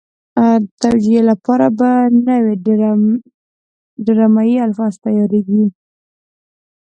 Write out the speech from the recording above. د توجیه لپاره به نوي ډرامایي الفاظ تیارېږي.